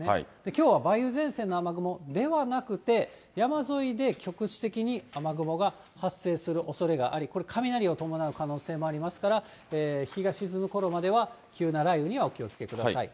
きょうは梅雨前線の雨雲ではなくて、山沿いで局地的に雨雲が発生するおそれがあり、これ、雷を伴う可能性もありますから、日が沈むころまでは、急な雷雨にはお気をつけください。